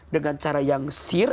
dengan cara yang sir